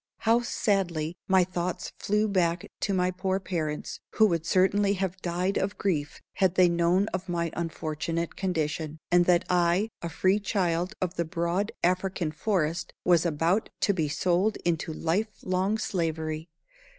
How sadly my thoughts flew back to my poor parents, who would certainly have died of grief had they known of my unfortunate condition, and that I, a free child of the broad African forest, was about to be sold into life long slavery!